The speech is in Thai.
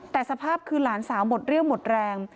แต่สภาพคือหลานสาวหมดเรี่ยวหมดแรง